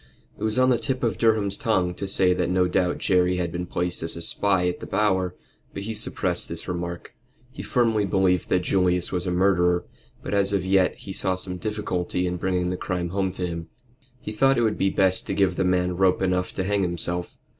It was on the tip of Durham's tongue to say that no doubt Jerry had been placed as a spy at the Bower, but he suppressed this remark. He firmly believed that Julius was a murderer, but as yet he saw some difficulty in bringing the crime home to him. He thought it would be best to give the man rope enough to hang himself.